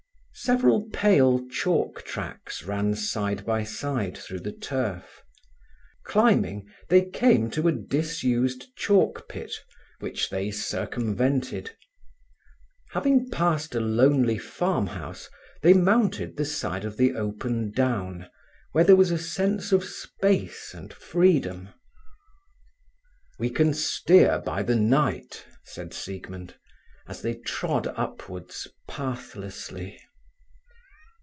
Several pale chalk tracks ran side by side through the turf. Climbing, they came to a disused chalk pit, which they circumvented. Having passed a lonely farmhouse, they mounted the side of the open down, where was a sense of space and freedom. "We can steer by the night," said Siegmund, as they trod upwards pathlessly.